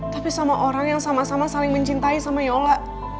tapi sama orang yang sama sama saling mencintai sama yola